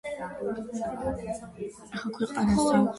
ერთ-ერთი მათგანი, გალო პლასა, ასევე ეკვადორის პრეზიდენტი იყო.